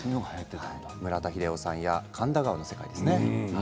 村田英雄さんや「神田川」の世界ですね。